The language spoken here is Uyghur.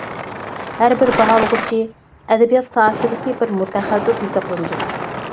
ھەر بىر باھالىغۇچى ئەدەبىيات ساھەسىدىكى بىر مۇتەخەسسىس ھېسابلىنىدۇ.